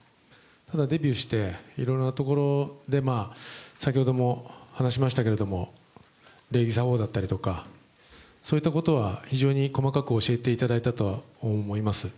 ただ、デビューしていろいろなところで先ほども話しましたけれども、礼儀作法だったりとか、そういったことは非常に細かく教えていただいたとは思います。